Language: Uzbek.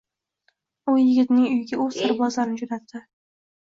U yigitning uyiga o`z sarbozlarini jo`natdi